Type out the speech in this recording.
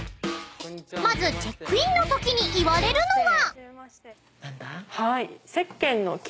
［まずチェックインのときに言われるのが］